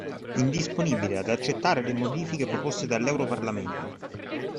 Indisponibili ad accettare le modifiche proposte dall'Europarlamento.